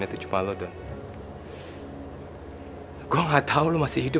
aku sudah selesai